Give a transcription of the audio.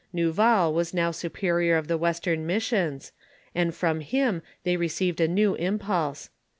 Nouvel was now superior of the western missions, and from him they received a new impulse.